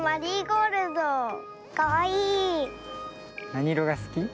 なにいろがすき？